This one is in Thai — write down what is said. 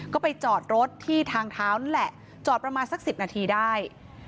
ก็ไปจอดรถที่ทางเท้านั่นแหละจอดประมาณสัก๑๐นาทีได้